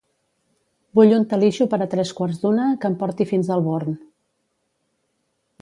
Vull un Talixo per a tres quarts d'una que em porti fins al Born.